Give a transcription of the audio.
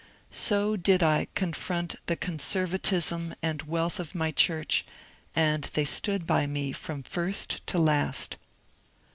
" So did I confront the conservatism and wealth of my church, and they stood by me from first to last.